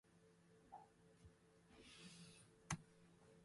千葉県大網白里市